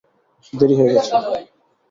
দেরী হয়ে গেছে।